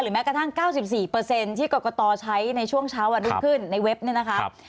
แม้กระทั่ง๙๔ที่กรกตใช้ในช่วงเช้าวันรุ่งขึ้นในเว็บเนี่ยนะคะ